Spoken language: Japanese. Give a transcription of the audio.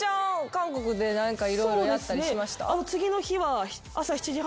韓国で何か色々やったりしました？